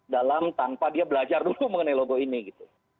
dalam tanpa dia belajar dulu mengenai logo ini gitu